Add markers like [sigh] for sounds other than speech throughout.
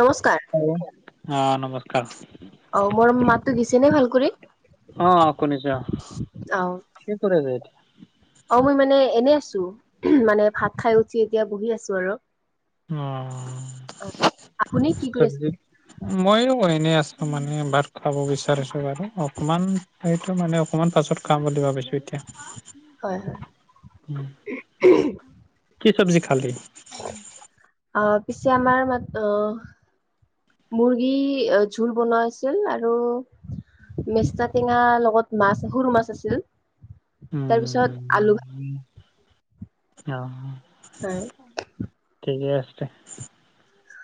নমস্কাৰ। অহ নমস্কাৰ। আহ' মোৰ মাতটো গিছেনে ভাল কৰি? অ শুনিছো আহ' কি কৰে যে এতিয়া? অঁ মই মানে এনে আছো, মানে ভাত খাই উঠি এতিয়া বহি আছো আৰু। উম' আপুনি কি কৰি আছে? ময়ো এনেই আছো মানে ভাত খাব বিচাৰিছো বাৰু অকমান সেইটো মানে অকমান পাছত খাম বুলি ভাবিছো এতিয়া। হয় হয়। কি চবজি খালি? অঁ পিছে আমাৰ মাত অঁ। মুৰ্গী জোল বনোৱা আছিল আৰু। মেষ্টা টেঙা লগত মাছ সৰু মাছ আছিল। তাৰ পিছত আলু ভ- উম অ। হয়। ঠিকে আছে।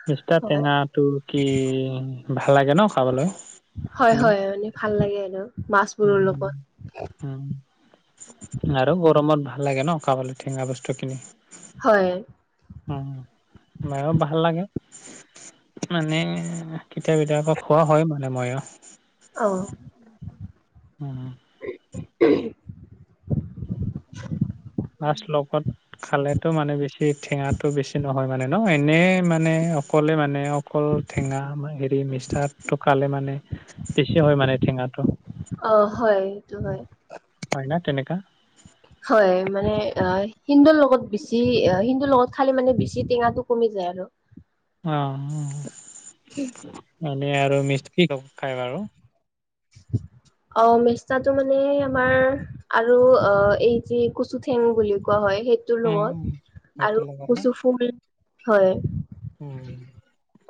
মিছা হয় টেঙা, টো কি ভাল লাগে ন খাবলৈ? হয় আপুনি? হয়, মান ভাল লাগে আৰু। মাছবোৰৰ উম। লগত উম আৰু গৰমত ভাল লাগে ন খাবলে টেঙা বস্তু খিনি। হয়। উম মোৰো ভাল লাগে। মানে কেতিয়াবা পৰা খোৱা হয় মানে মইয়ো। অঁ। উম। [unintelligible] [unintelligible] মাছ লগত, খালেতো মানে বেছি টেঙাটো বেছি নহয় মানে ন, এনে মানে অকলে মানে, অকল টেঙা হেৰি মিষ্টাটো খালে মানে, বেছি হয় মানে টেঙাটো। অ হয় সেইটো হয়। হয় না তেনেকা। হয়, মানে অ হিন্দুৰ লগত বেছি হিন্দুৰ লগত, খালে মানে বেছি টেঙাটো কমি যায় আৰু। অ। উম মানে আৰু মিসকি [unintelligible] খাই বাৰু। অ মেষ্টাটো মানে আমাৰ, আৰু অ এই যি কুচুথেঙ বুলি কোৱা হয় সেই, সেইটোৰ উম, উম। লগত সেইটো আৰু লগতে কচু ফুল হয়, উম।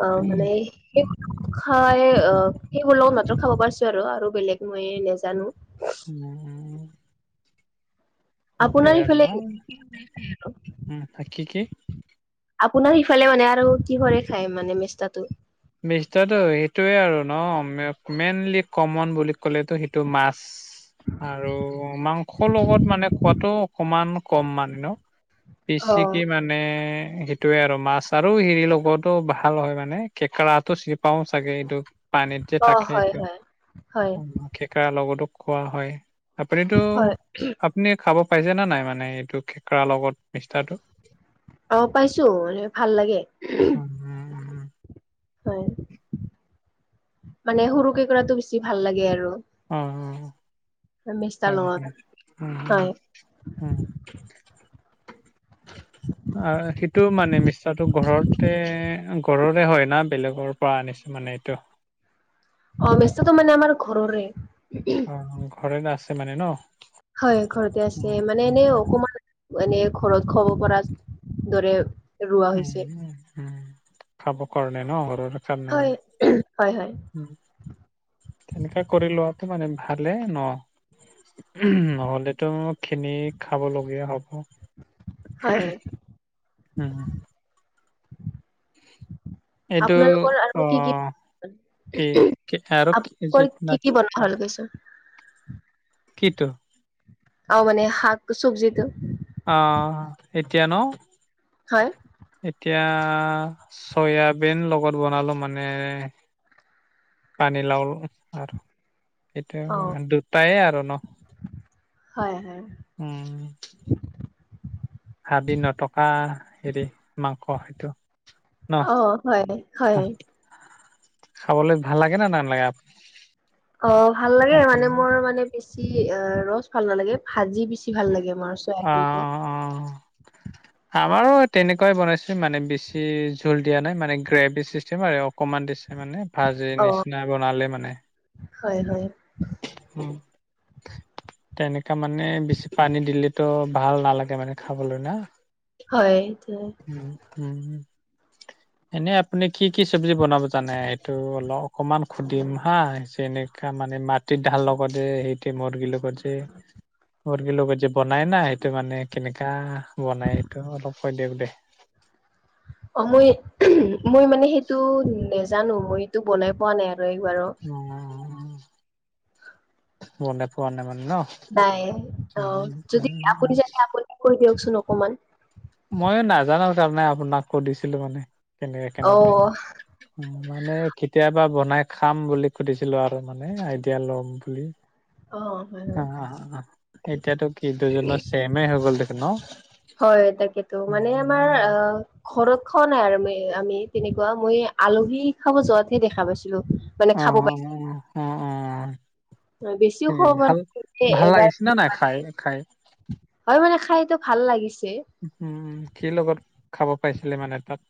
অ মানেই, সেইবোৰ খাই অ সেইবোৰ লগ মাত্ৰ খাব পাৰিছো আৰু আৰু বেলেগ মই নজানো। উম। সেইটোৱে আপোনাৰ আৰু ন? সেইফালে- উম হা কি কি? আপোনাৰ সিফালে মানে আৰু কি কৰে খায় মানে মিষ্টাটো? মিষ্টাটো সেইটোৱে আৰু ন, মেইনলি কমন বুলি ক'লেটো সেইটো মাছ। আৰু মাংসৰ লগত মানে খোৱাটো অকমান কম মানে ন। অ পিচিকি মানে সেইটোয়ে আৰু মাছ আৰু হেৰি লগতো ভাল হয় মানে, কেঁকোৰা টো চিনি পাওঁ চাগে এইটো পানীত যে অ থাকে হয় এইটো, হয় হয় কেকৰা লগতো খোৱা হয় আপুনিতো হয় আপ আপুনি খাব পাইছে নাই মানে এইটো খেকেৰা লগত মিষ্টাটো? অ পাইছো ভাল লাগে। উম, উম। হয়, মানে সৰু কেকুৰাটো বেছি ভাল লাগে আৰু। উম উম মেষ্টাৰ হয় লগত হয় উম উম হয় উম। অ সেইটো মানে মিষ্টাটো ঘৰতে ঘৰৰে হয় না বেলেগৰ, পৰা আনিছো মানে এইটো অ মেষ্টতো মানে আমাৰ ঘৰৰে, অ ঘৰ আছে মানে ন হয় ঘৰতে উম আছে মানে উম এনে অকমান, মানে ঘৰচ খাব পৰা দৰে ৰোৱা হৈছে উম খাব কাৰনে ন ঘৰৰে হয় হয় হয় উম তেনেকা কৰি লোৱাটো মানে ভালে ন, নহ'লেতো কিনি খাব লগীয়া হ'ব। হয় হয় উম। [inaudible] এইটো আপোনালোকৰ আৰু অ কি কি কি আৰু ইজিপ্ত না কি হল কৈছোঁ কিটো আৰু মানে শাক চব্জিটো, অঁ, এতিয়া ন। হয় এতিয়া চয়াবিন লগত বনালো মানে। পানী লাও আৰু। অ সেইটোয়া দুটায়েই আৰু ন হয় হয় উম। হাবি নথকা হেৰি মাংস সেইটো। ন অ হয়। হয় খাবলৈ ভাল লাগে না নালাগে আপ। অঁ ভাল লাগে মানে মোৰ মানে বেছি অঁ ৰছ ভাল নালাগে ভাজি বেছি, ভাল লাগে আমাৰ অ ছোৱালী অ [inaudible] আমাৰো তেনেকুৱাই বনাইছো মানে বেছি ঝুল দিয়া নাই মানে গ্ৰেভি চিষ্টেম আৰু অকনমান। ছে মানে ভাজি অ নিচিনা বনালে মানে হয় হয়। উম তেনেকা মানে বেছি পানী দিলেতো ভাল নালাগে মানে খাবলৈ না। হয় উম উম হম। এনেই আপুনি কি কি চব্জি বনাব জানে এইটো অল অকমান শুধিম হা যেনেকা মানে মাত। ঢাল লগত যে সেইতে মদগিল লগত যে। মুৰ্গীৰ লগত যে বনাই না সেইটো মানে কেনেকা- বনাই সেইটো অলপ কৈ দিয়ক দে। অ মই মই মানে সেইটো নেজানো মই এইটো বনাই পোৱা নাই আৰু এইবাৰো। উম বনাই পোৱা নাই মানে ন। বাই অ উম যদি উম উম আপুনি যায় অঁ, আপুনি কৈ দিয়কচোন অকমান। মই নাজানো মানে আপোনাক কত দেখিছিলোঁ মানে কেনেক কেনেকুৱা অ' কে- অঁ মানে কেতিয়াবা বনাই খাম বুলি সুধিছিলো আৰু মানে আইডিয়া লম বুলি। অ। হয় হয়। অঁ এতিয়াতো কি দুজনৰ চেমে হৈ গ'ল দেখোন ন। হয় তাকেতো মানে আমাৰ অঁ ঘৰত খোৱা নাই আৰু আমি তেনেকুৱা মই আলহী খাব যোৱাতহে দেখা পাইছিলো। মানে খাব পাৰি। অঁ অঁ অঁ বেছিও খ ম ভাল এবাৰ- লাগিছিলে নাই খাই খাই হয় মানে খাইতো ভাল লাগিছে। উম কি লগত খাব পাইছিলি মানে তাত।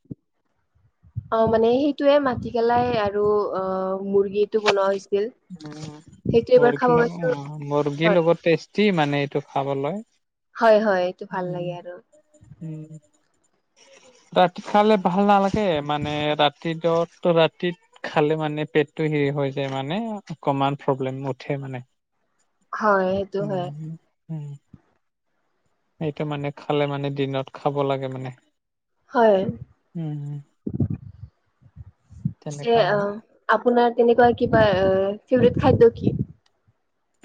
অ মানে সেইটোয়ে মাটিকেলাই আৰু অ মুৰ্গী- বনোৱা হৈছিল সেইটো এইবাৰ খাব গৈছোঁ। মৰ্গীৰ লগত টেষ্টি মানে এইটো খাবলৈ। হয় হয় এইটো ভাল উম লাগে আৰু। উম তাত খালে ভাল নালাগে মানে ৰাতিটোত ৰাতিত। খালে মানে পেটটো হেৰি হৈ যায় মানে অকমান প্ৰব্লেম উঠে মানে। হয় সেইটো হয় উম উম, সেইটো মানে খালে মানে দিনত খাব লাগে মানে। হয়, উম তেনেকা পিছে- মানে আপোনাৰ তেনেকুৱা কিবা ফেভাৰেট খাদ্য কি?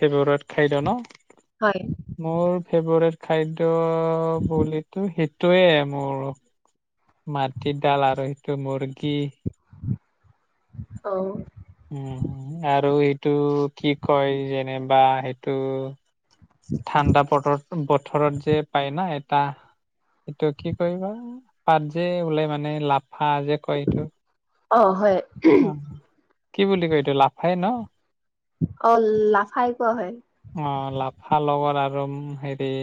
ফেভৰেট খাদ্য ন। হয়। মোৰ ফেভৰেট খাদ্য বুলিতো। সেইটোৱে মোৰ মাটিডাল আৰু সেইটো মুৰ্গী। অ উম আৰু ইটো কি কয় যেনিবা সেইটো- ঠাণ্ডা বতৰত বথৰত যে পায় না এটা- এইটো কি কৰিবা পাত যে ওলাই মানে লাফা যে কয় এইটো- অঁ হয়। অ কি বুলি কয় এইটো লাফাই ন। অ লাফাই কোৱা হয়। অ লাফা লগত আৰু হেৰি-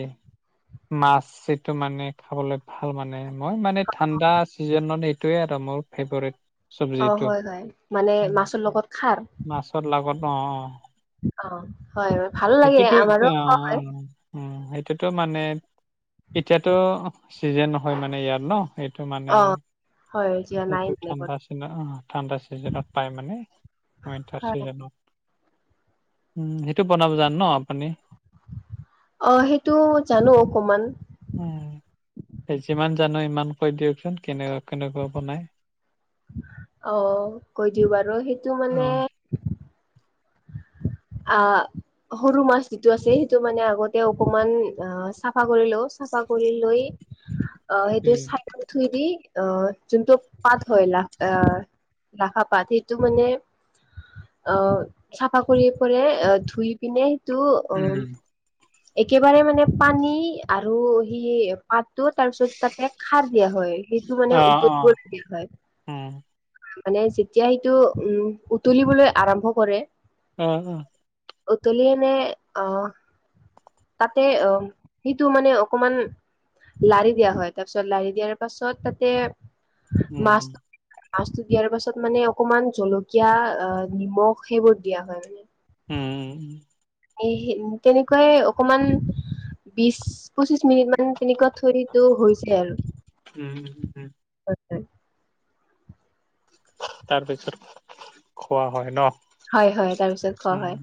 মাছ এইটো মানে খাবলৈ ভাল মানে মই মানে ঠাণ্ডা চিজনত এই- এইটোৱে আৰু মোৰ ফেভৰেট। অঁ চব্জিটো হয় হয় মানে মাছৰ লগত খাৰ- মাছত লগত অ অ অ' হয় ভাল লাগে সেতিতো আমাৰো অঁ খোৱা হয়। অঁ। উম সেইটোতো মানে এতিয়াতো চিজনে হয় মানে ইয়াত ন। সেইটো মানে অ' হয় যোৱা নাই সেইটো মানে ঠাণ্ডা চি অ ঠাণ্ডা চিজনত পাই মানে। ওৱেন্টাৰ হয় চিজনত, উ সেইটো বনাব জানো ন আপুনি। অ সেইটো জানো অকমান। যিমান জান ইমান কৈ দিয়কচোন কেনেকা কেনেকুৱা বনাই। অ কৈ দিওঁ বাৰু সেইটো মানে- অ'। আঁ সৰু মাছ যিটো আছে সেইটো মানে আগতে অকমান অঁ। চাফা কৰি লওঁ চাফা কৰি লৈ আহ সেইটো উম, চাইদত ধুই দি- আহ যোনটো পাত হয় লা আহ লাখা পাত সেইটো মানে- অ চাফা কৰি পৰে ধুই পিনে সেইটো অঁ- উম, একেবাৰে মানে পানী আৰু সি- পাতো তাৰ পিছত তাতে খাৰ দিয়া হয় সেইটো অ', মানে অ', উতলিব দিয়া হয়। উম, মানে যেতিয়া সেইটো উম উতলিবলৈ আৰম্ভ কৰে। অঁ অঁ উতলিয়েনে আহ তাতে আহঁ- সেইটো মানে অকমান লাৰি দিয়া হয়, তাৰ পিছত লাৰি দিয়াৰ পাছত তাতে- মাছ উম। মাছটো দিয়াৰ পাছত মানে অকমান জলকীয়া অ নিমখ সেইবোৰ দিয়া হয় মানে। উম উম‌ এ হে তেনেকুৱাই অকমান- বিশ পচিশ মিনিট মান তেনেকুৱা থৈ দিওঁ হৈছে আৰু। উম উম উম হয় হয় তাৰ পিছত খোৱা হয় হয় হয় তাৰ পিছত খোৱা ন। হয়।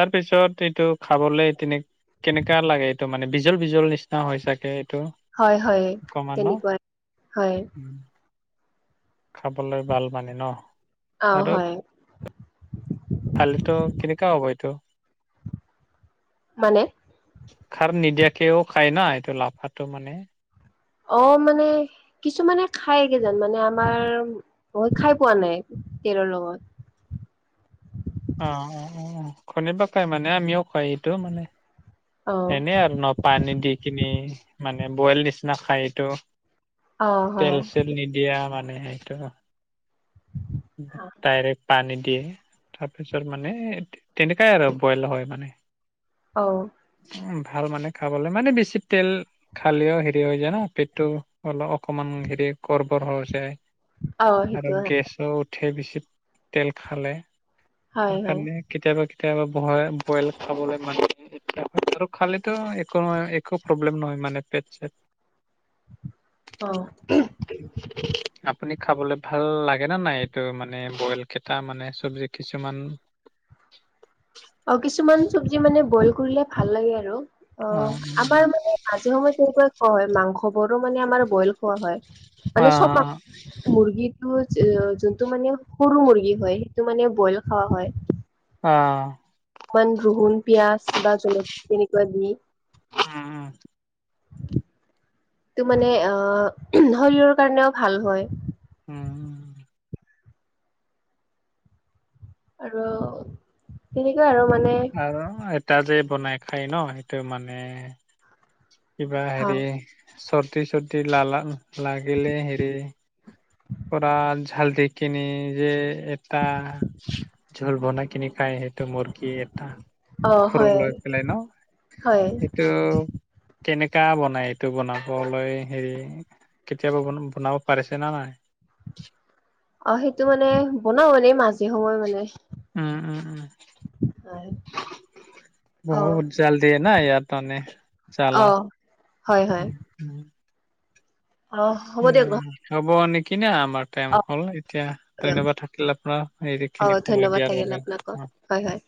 তাৰপিছত এইটো খাবলে তেনে- কেনেকা লাগে? এইটো মানে বিজল বিজল নিচিনা হয় চাগে এইটো। হয় হয় অকমান ন তেনেকুৱা হয়। উম, খাবলৈ ভাল মানে ন অ আৰু। হয় খালেতো কেনেকা হ'ব এইটো? মানে খাৰ নিদিয়াকেও খায় না এইটো লাফাটো মানে। অ মানে কিছুমানে খায় কিযান মানে আমাৰ খাই পোৱা নাই। তেলৰ লগত। অঁ অঁ অঁ অঁ খন পৰা কাই মানে আমিও কয় এইটো মানে। অ এনেই আৰু ন পানী দি কিনি মানে বইল নিচিনা খাই এইটো। অ হয় তেল চেল নিদিয়া মানে সেইটো। ডাইৰেক্ট পানী দিয়ে তাৰপিছত মানে তেনেকাই আৰু বইল হয় মানে। অ উ ভাল মানে খাবলে মানে বেছি তেল খালেও হেৰি হৈ যায় ন পেটটো অলপ অকমান হেৰি গৰ্বৰ হৈ যায়। অ আৰু সেইটো হয় গেছো উঠে বেছি তেল খালে হয় তাৰ হয় কাৰণে কেতিয়াবা কেতিয়াবা ব বইল খাবলে মানুহে আৰু খালেতো একো নহয় একো প্ৰব্লেম নহয় মানে পেট চেট। [inaudible] অ আপুনি খাবলৈ ভাল লাগ লাগে নে নাই এইটো মানে বইল কেইটা মানে চব্জি কিছুমান, আও কিছুমান চব্জি মানে বইল কৰিলে ভাল লাগে আৰু অ আমাৰ মানে মাজে সময়ে তেনেকুৱাই খোৱা হয় মাংসবোৰো মানে আমাৰ বইল খোৱা হয় মানে চব মাংস, অ', মুৰ্গীটো যোনটো মানে সৰু মুৰ্গী হয় সেইটো মানে বইল খাৱা হয়। অ বানৰোহোন পিয়াজ বা জলকীয়া তেনেকুৱা দি উম উম টো মানে আহ শৰীৰৰ কাৰণেও ভাল হয় উম আৰু তেনেকুৱাই আৰু মানে আৰু এটা যে বনাই খাই ন সেইটো মানে কিবা হেৰি ভাল চৰ্দি চৰ্দি লালা লাগিলে হেৰি পৰা জালদি কিনি যে এটা জোল বনাই কিনি খাই সেই, টো মুৰ্গী এটা অ হয় ঘৰলৈ পেলাই ন? হয় টো কেনেকা বনাই এইটো বনাবলৈ হেৰি কেতিয়াবা বন বনাব পাৰিছে না নাই? অ সেইটো মানে বনাও এনেই মাজে সময় মানে। উম উম উম হয় অ বহুত জালদিয়ে না ইয়াত মানে জালা অ হয় হয় উম উম অ হ'ব দিয়ক ন উম হ'ব নেকি না আমাৰ টাইম অ হল এতিয়া দিয়ক ধন্যবাদ থাকিল আপোনাৰ এই অ খিনি সময় ধন্যবাদ দিয়াৰ থাকিল বাবে। আপোনাকো অ হয় হয়